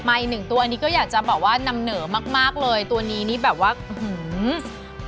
อีกหนึ่งตัวอันนี้ก็อยากจะบอกว่านำเหนอมากมากเลยตัวนี้นี่แบบว่าอื้อหือ